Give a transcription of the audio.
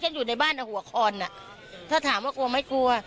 อยู่ในบ้านอ่ะหัวคอนอ่ะถ้าถามว่ากลัวไม่กลัว